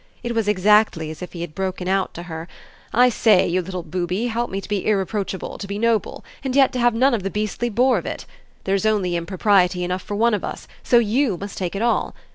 It was exactly as if he had broken out to her: "I say, you little booby, help me to be irreproachable, to be noble, and yet to have none of the beastly bore of it. There's only impropriety enough for one of us; so YOU must take it all.